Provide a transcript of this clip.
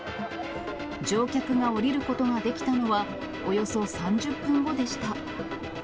乗客が降りることができたのは、およそ３０分後でした。